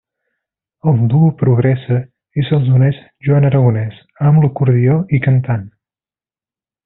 El duo progressa i se'ls uneix Joan Aragonés amb l'acordió i cantant.